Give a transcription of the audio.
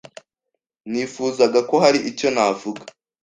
Nifuzaga ko hari icyo navuga.